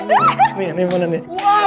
ini ini yang mana nih